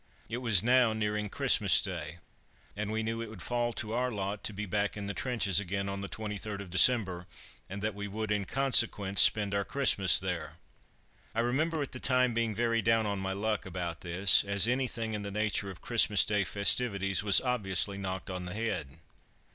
It was now nearing Christmas Day, and we knew it would fall to our lot to be back in the trenches again on the 23rd of December, and that we would, in consequence, spend our Christmas there. I remember at the time being very down on my luck about this, as anything in the nature of Christmas Day festivities was obviously knocked on the head.